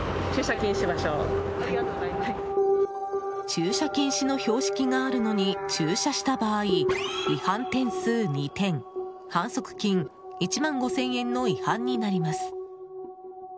駐車禁止の標識があるのに駐車した場合違反点数２点反則金１万５０００円の違反になります。